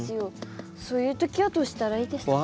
そういう時はどうしたらいいですか？